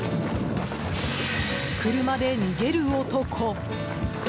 車で逃げる男！